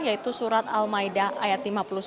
yaitu surat al maida ayat lima puluh satu